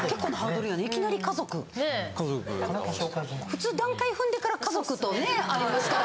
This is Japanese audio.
普通段階ふんでから家族とね会いますから。